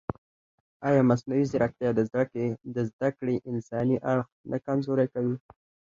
ایا مصنوعي ځیرکتیا د زده کړې انساني اړخ نه کمزوری کوي؟